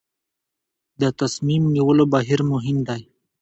د تصمیم نیولو بهیر مهم دی